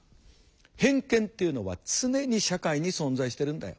「偏見っていうのは常に社会に存在しているんだよ。